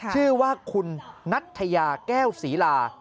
ชื่อว่าคุณนัทยาแก้วศรีลา